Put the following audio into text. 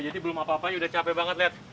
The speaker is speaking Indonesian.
jadi belum apa apanya udah capek banget lihat